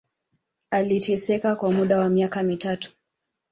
Aliteseka kwa muda wa miaka mitatu